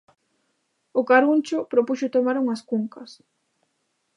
O Caruncho propuxo tomar unhas cuncas.